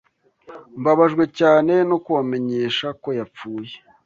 Mbabajwe cyane no kubamenyesha ko yapfuye.